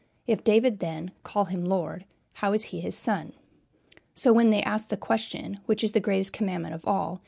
If David then call him Lord, how is he his son?" So, when they ask the question, "Which is the greatest commandment of all?"